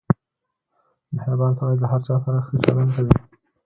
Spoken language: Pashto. • مهربان سړی د هر چا سره ښه چلند کوي.